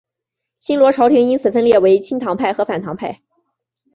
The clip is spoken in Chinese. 新罗朝延因此分裂为亲唐派和反唐派。